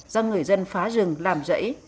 do người dân phá rừng làm rẫy